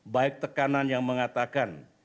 baik tekanan yang mengatakan